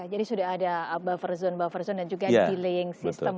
jadi sudah ada buffer zone buffer zone dan juga delaying